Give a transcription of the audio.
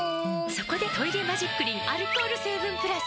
そこで「トイレマジックリン」アルコール成分プラス！